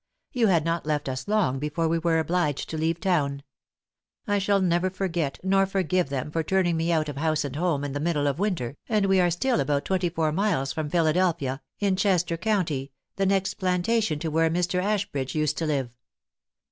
You had not left us long before we were obliged to leave town. I never shall forget nor forgive them for turning me out of house and home in the middle of winter, and we are still about twenty four miles from Philadelphia, in Chester County, the next plantation to where Mr. Ashbridge used to live.